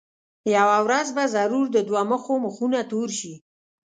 یوه ورځ به ضرور د دوه مخو مخونه تور شي.